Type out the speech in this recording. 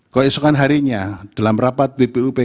keesokan harinya dalam rapat bpup